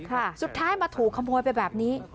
สุดท้ายมาถูกขโมยไปแบบนี้